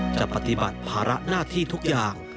จะปฏิบัติภาระหน้าที่ทุกอย่าง